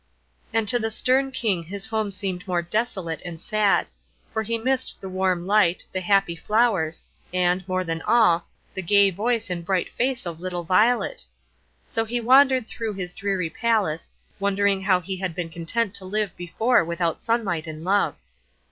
And to the stern King his home seemed more desolate and sad; for he missed the warm light, the happy flowers, and, more than all, the gay voice and bright face of little Violet. So he wandered through his dreary palace, wondering how he had been content to live before without sunlight and love.